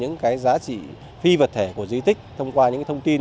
giá trị phi vật thể của di tích thông qua những cái thông tin